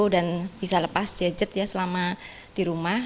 dan bisa lepas jejet selama di rumah